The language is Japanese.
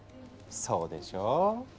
そうでしょう！